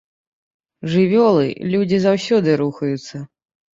Жывёлы, людзі заўсёды рухаюцца.